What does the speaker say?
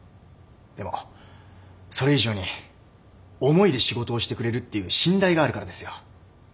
でもそれ以上に思いで仕事をしてくれるっていう信頼があるからですよ。